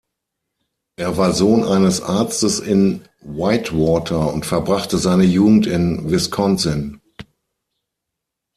Er war Sohn eines Arztes in Whitewater und verbrachte seine Jugend in Wisconsin.